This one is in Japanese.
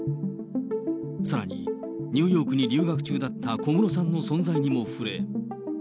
さらに、ニューヨークに留学中だった小室さんの存在にも触れ。